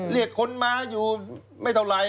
เรียกคนมาอยู่ไม่เท่าไหร่